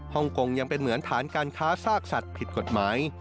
กงยังเป็นเหมือนฐานการค้าซากสัตว์ผิดกฎหมาย